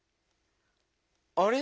あれ？